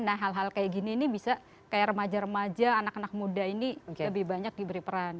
nah hal hal kayak gini ini bisa kayak remaja remaja anak anak muda ini lebih banyak diberi peran